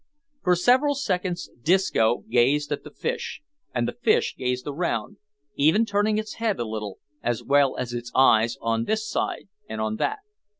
For several seconds Disco gazed at the fish, and the fish gazed around, even turning its head a little, as well as its eyes, on this side and on that.